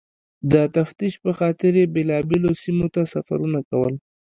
د تفتیش پخاطر یې بېلابېلو سیمو ته سفرونه کول.